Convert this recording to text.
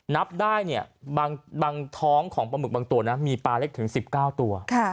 นับได้เนี่ยบางท้องของปลาหมึกบางตัวนะมีปลาเล็กถึง๑๙ตัว